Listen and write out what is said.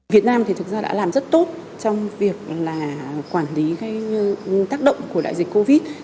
việt nam thực ra đã làm rất tốt trong việc quản lý tác động của đại dịch covid